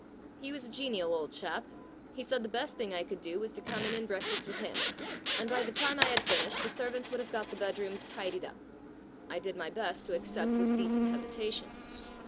* He was a genial old chap. He said the best thing I could do was to come in and breakfast with him, and by the time I had finished the servants would have got the bed rooms tidied up. I did my best to accept with decent hesitation.